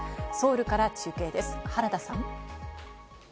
ソウルから中継です、原田さん。